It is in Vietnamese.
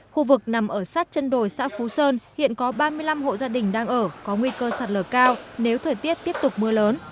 khu vực nằm ở sát chân đồi xã phú sơn hiện có ba mươi năm hộ gia đình đang ở có nguy cơ sạt lở cao nếu thời tiết tiếp tục mưa lớn